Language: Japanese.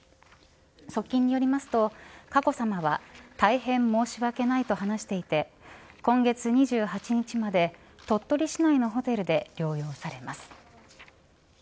側近によりますと佳子さまは大変申し訳ないと話していて今月２８日まで鳥取市内のホテルで療養されます。